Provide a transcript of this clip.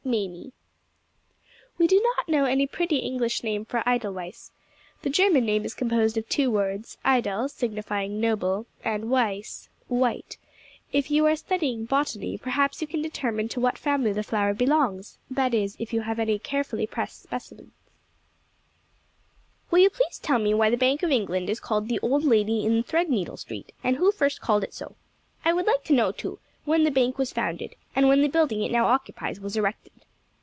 MAMIE. We do not know any pretty English name for Edelweiss. The German name is composed of two words edel, signifying noble, and weiss, white. If you are studying botany, perhaps you can determine to what family the flower belongs that is, if you have any carefully pressed specimens. Will you please tell me why the Bank of England is called "the Old Lady in Threadneedle Street," and who first called it so? I would like to know, too, when the bank was founded, and when the building it now occupies was erected.